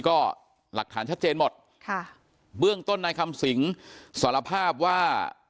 ก็หลักฐานชัดเจนหมดค่ะเบื้องต้นนายคำสิงสารภาพว่า